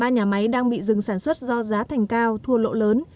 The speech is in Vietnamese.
ba nhà máy đang bị dừng sản xuất do giá thành cao thua lỗ lớn